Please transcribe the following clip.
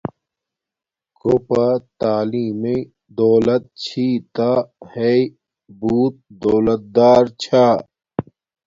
کوپا تعلیم میے دولت چھِی تا ہݵ بوت دولت دار چھا